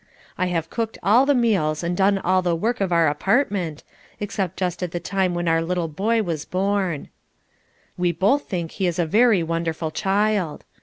I have cooked all the meals and done all the work of our apartment, except just at the time when our little boy was born. We both think he is a very wonderful child.